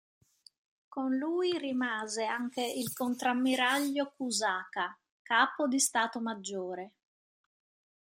Con lui rimase anche il contrammiraglio Kusaka, capo di stato maggiore.